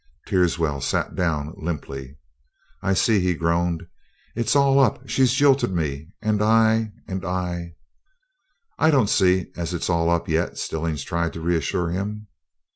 Teerswell sat down limply. "I see," he groaned. "It's all up. She's jilted me and I and I " "I don't see as it's all up yet," Stillings tried to reassure him.